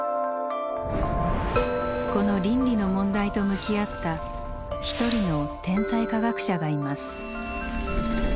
この倫理の問題と向き合った一人の天才科学者がいます。